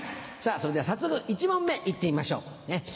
それでは早速１問目行ってみましょう。